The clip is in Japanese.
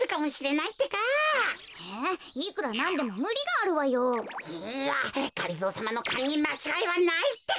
いいやがりぞーさまのかんにまちがいはないってか！